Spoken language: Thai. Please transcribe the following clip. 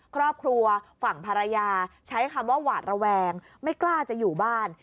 ครอบครัวฝั่งภรรยาใช้คำว่าหวาดระแวงไม่กล้าจะอยู่บ้าน